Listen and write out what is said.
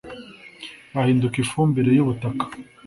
bahinduka ifumbire y'ubutaka